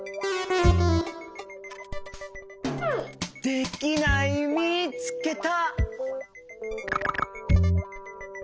できないみつけた！